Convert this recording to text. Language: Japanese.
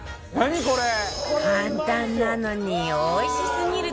簡単なのにおいしすぎると話題の